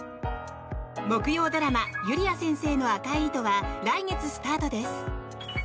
木曜ドラマ「ゆりあ先生の赤い糸」は来月スタートです。